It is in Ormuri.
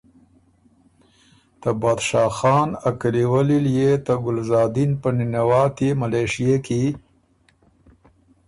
ته بادشاه خان ا کلیولی ليې ته ګلزادین په نِنواتيې ملېشئے کی